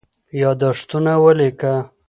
یادښتونه ولیکه.